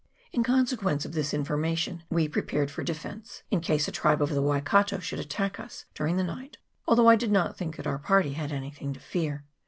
In consequence of this information we prepared for defence, in case a tribe of the Waikato should attack us during the night, although I did not think that our party had anything to fear.